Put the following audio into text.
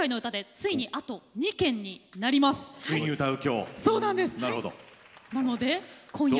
ついに歌う今日。